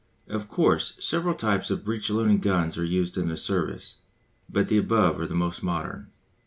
Of course several types of breech loading guns are used in the Service, but the above are the most modern.